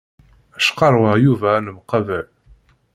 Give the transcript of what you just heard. Cqarrweɣ Yuba ad nemqabal.